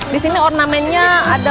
di sini ornamennya ada